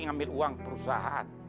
ngambil uang perusahaan